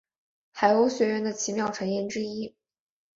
海鸥学园的奇妙传言之一。